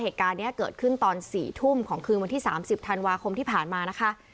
เหตุการณ์นี้เกิดขึ้นตอน๔ทุ่มของคืนวันที่๓๐ธันวาคมที่ผ่านมานะคะ